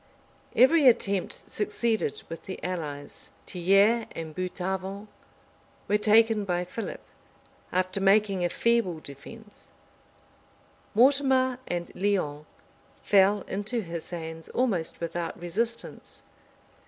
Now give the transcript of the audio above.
Every attempt succeeded with the allies. Tillieres and Boutavant were taken by Philip, after making a feeble defence: Mortimar and Lyons fell into his hands almost without resistance.